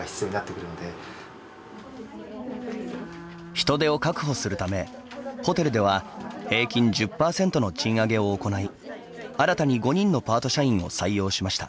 人手を確保するためホテルでは平均１０％の賃上げを行い新たに５人のパート社員を採用しました。